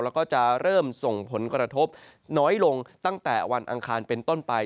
แล้วก็จะเริ่มส่งผลกระทบน้อยลงตั้งแต่วันอังคารเป็นต้นไป